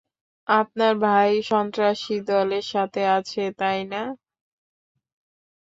আপনার ভাই সন্ত্রাসী দলের সাথে আছে, তাই না?